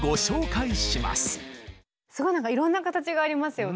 すごいなんかいろんな形がありますよね。